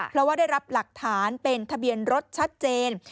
เพราะว่าได้รับหลักฐานเป็นทะเบียนรถชัดเจน